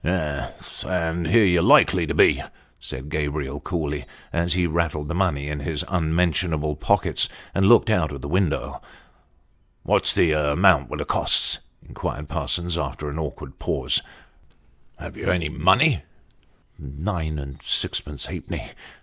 "Yes; and here you're likely to be," said Gabriel, coolly, as he rattled the money in his unmentionable pockets, and looked out of the window. " What's the amount with the costs ?" inquired Parsons, after an awkward pause. " 371. 3s. lOd." " Have you any money ?"" Nine and sixpence halfpenny."